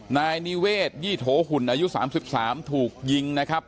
นายนิเวศยี่โถหุ่นอายุ๓๓ถูกยิงนะครับ